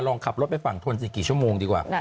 ลองขับรถไปฝั่งทนสิกี่ชั่วโมงดีกว่า